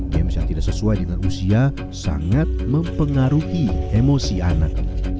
games yang tidak sesuai dengan usia sangat mempengaruhi emosi anak